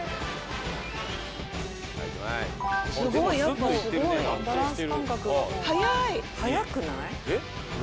すごいやっぱすごい・バランス感覚がもう早い・早くない？